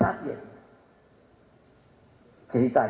yang ada pada manusia tersebut